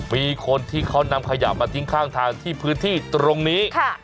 มีคนที่เขานำขยะมาทิ้งข้างทางที่พื้นที่ตรงนี้